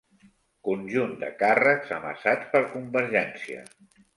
Conjunt de càrrecs amassats per Convergència.